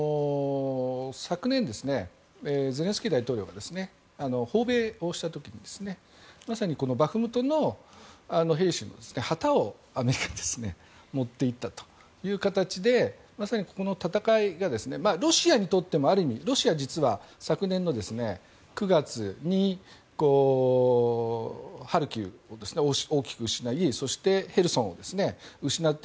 昨年、ゼレンスキー大統領が訪米をした時にまさにバフムトの兵士の旗をアメリカに持っていったという形でまさにここの戦いがロシアにとっても、ある意味ロシア、実は昨年の９月にハルキウを大きく失いそしてヘルソンを失って